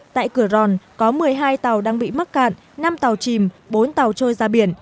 tại cửa ròn có một mươi hai tàu đang bị mắc cạn năm tàu chìm bốn tàu trôi ra biển